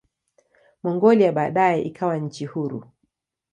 Mongolia baadaye ikawa nchi huru.